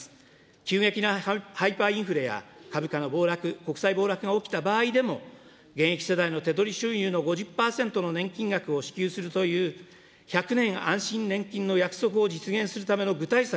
急激なハイパーインフレや、株価の暴落、国債暴落が起きた場合でも、現役世代の手取り収入の５０％の年金額を支給するという、１００年